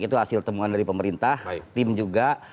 itu hasil temuan dari pemerintah tim juga